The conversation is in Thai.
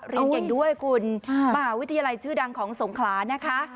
เรียนเก่งด้วยคุณมหาวิทยาลัยชื่อดังของสงขลานะคะ